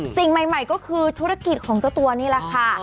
สิ่งใหม่ก็คือธุรกิจของเจ้าตัวนี่แหละค่ะ